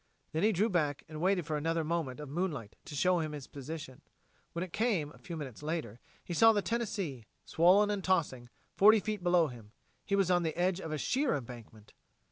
Then he drew back and waited for another moment of moonlight to show him his position. When it came, a few minutes later, he saw the Tennessee, swollen and tossing, forty feet below him. He was on the edge of a sheer embankment.